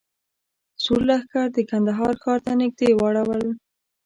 سور لښکر د کندهار ښار ته نږدې واړول.